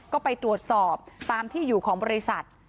ก็ไปตรวจสอบตามที่อยู่ของบริษัท